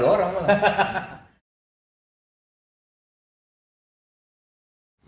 ekonomi yang melambat malaysia mulai gaduh besar kita khawatir